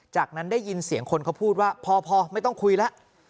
จากนั้นได้ยินเสียงคนเขาพูดว่าพอไม่ต้องคุยแล้ว